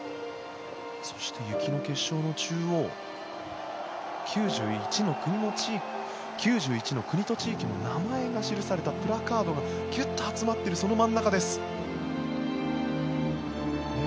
そして、雪の結晶の中央９１の国と地域の名前が記されたプラカードがギュッと集まっているその真ん中です。